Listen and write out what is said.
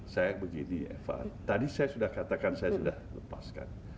saya begini eva tadi saya sudah katakan saya sudah lepaskan